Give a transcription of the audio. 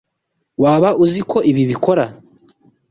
Waba uzi uko ibi bikora?